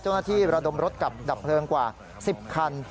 เจ้าหน้าที่เวลาดมรถกลับดับเพลิงกว่า๑๐คัน